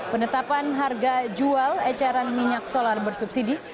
penetapan harga jual ecaran minyak solar bersubsidi